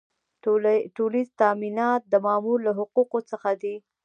ټولیز تامینات د مامور له حقوقو څخه دي.